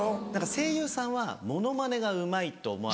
声優さんはモノマネがうまいと思われてる。